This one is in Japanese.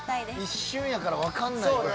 一瞬やから分かんないな。